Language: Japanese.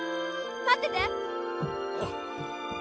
待ってて。